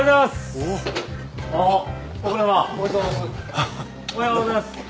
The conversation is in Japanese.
おはようございます。